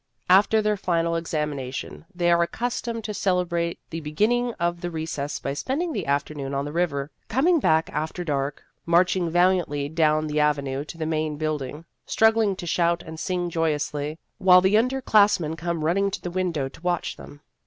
After their final examination, they are accustomed to celebrate the beginning of the recess by spending the afternoon on the river, coming back after dark, marching valiantly down the avenue to the Main Building, struggling to shout and sing joyously, while the underclass men come running to the window to watch them.